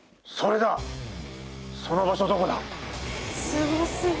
☎すご過ぎ。